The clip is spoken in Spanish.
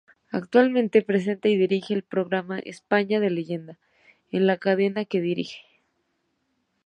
Actualmente presenta y dirige el programa "España de Leyenda", en la cadena que dirige.